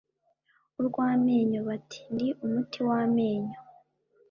urw’amenyo bati ndi umuti w’amenyo(